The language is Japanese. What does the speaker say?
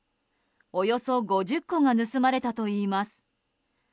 およそ５０個が盗まれたといいます。